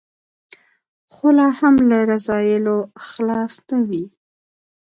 خو لا هم له رذایلو خلاص نه وي.